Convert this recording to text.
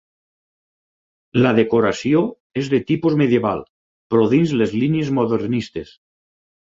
La decoració és de tipus medieval però dins les línies modernistes.